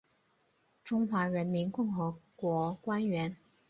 中华人民共和国官员。